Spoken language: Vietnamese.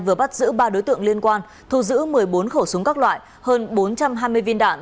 vừa bắt giữ ba đối tượng liên quan thu giữ một mươi bốn khẩu súng các loại hơn bốn trăm hai mươi viên đạn